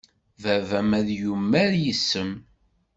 Baba-m ad yumar yes-m.